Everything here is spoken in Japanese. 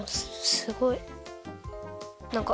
すごいなんか。